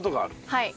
はい。